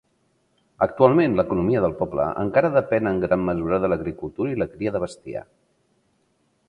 Actualment, l'economia del poble encara depèn en gran mesura de l'agricultura i la cria de bestiar.